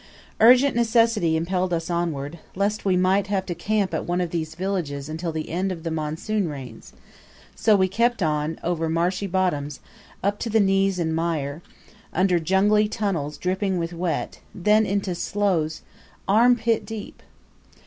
Urgent necessity impelled us onward, lest we might have to camp at one of these villages until the end of the monsoon rains; so we kept on, over marshy bottoms, up to the knees in mire, under jungly tunnels dripping with wet, then into sloughs arm pit deep.